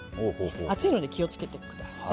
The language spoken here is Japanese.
熱いので気をつけてください。